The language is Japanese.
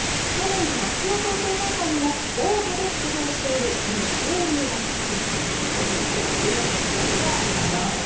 去年夏の東京大会にもボートで出場している二刀流です。